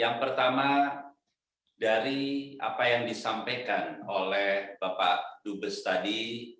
yang pertama dari apa yang disampaikan oleh bapak dubes tadi